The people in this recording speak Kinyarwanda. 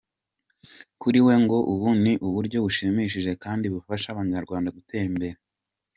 Kuri we ngo ubu ni uburyo bushimishije kandi bufasha Abanyarwanda gutera imbere.